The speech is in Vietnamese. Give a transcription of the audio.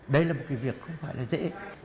đây là một cái việc không phải là dễ